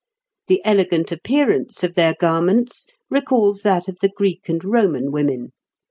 The elegant appearance of their garments recalls that of the Greek and Roman, women.